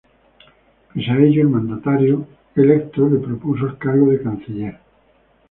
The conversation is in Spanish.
Pese a ello, el mandatario electo le propuso el cargo de canciller.